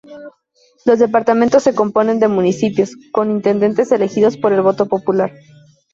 Los departamentos se componen de municipios, con intendentes elegido por el voto popular.